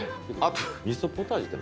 みそポタージュって何？